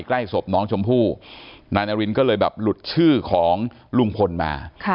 ใกล้ศพน้องชมพู่นายนารินก็เลยแบบหลุดชื่อของลุงพลมา